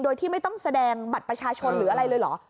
โดยที่ไม่ต้องแสดงบัตรประชาชนหรืออะไรเลยเหรอ